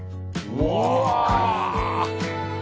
うわ！